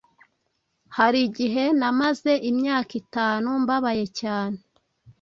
Hari igihe namaze imyaka itanu mbabaye cyane